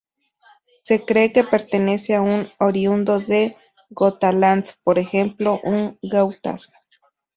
Se cree que pertenece a un oriundo de Götaland, por ejemplo un gautas.